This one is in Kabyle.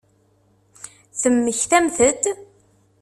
Temmektamt-d?